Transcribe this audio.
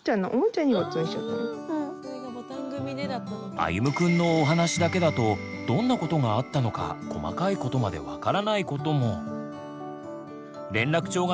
あゆむくんのお話だけだとどんなことがあったのか細かいことまで分からないことも。